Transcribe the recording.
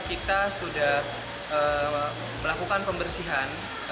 kita sudah melakukan pembersihan